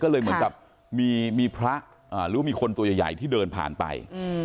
ก็เลยเหมือนกับมีพระหรือมีคนตัวใหญ่ที่เดินผ่านไป